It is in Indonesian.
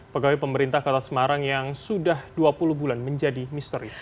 pegawai pemerintah kota semarang yang sudah dua puluh bulan menjadi misteri